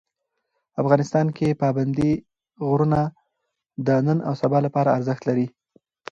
افغانستان کې پابندي غرونه د نن او سبا لپاره ارزښت لري.